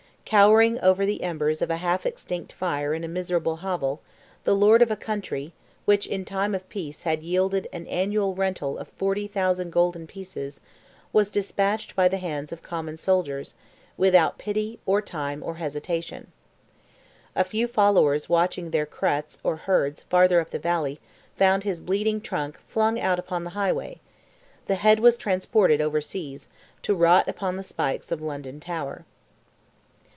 Cowering over the embers of a half extinct fire in a miserable hovel, the lord of a country, which in time of peace had yielded an annual rental of "40,000 golden pieces," was despatched by the hands of common soldiers, without pity, or time, or hesitation. A few followers watching their creaghts or herds, farther up the valley, found his bleeding trunk flung out upon the highway; the head was transported over seas, to rot upon the spikes of London Tower.